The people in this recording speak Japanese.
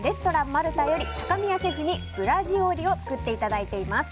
マルタより高宮シェフに、ブラジオリを作っていただいています。